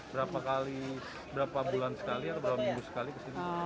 berapa kali berapa bulan sekali atau berapa minggu sekali kesini